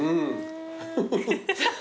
フフフッ。